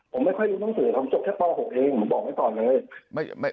ผมไม่ค่อยรู้หนังสือครับผมจบแค่ป๖เองผมบอกไว้ก่อนเลย